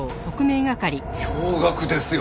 驚愕ですよ！